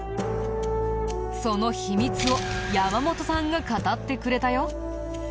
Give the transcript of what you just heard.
その秘密を山本さんが語ってくれたよ。